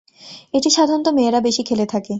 এটি সাধারনত মেয়েরা বেশি খেলে থাকে।